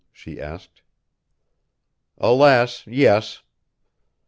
she asked. "Alas, yes."